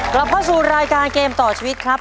กลับเข้าสู่รายการเกมต่อชีวิตครับ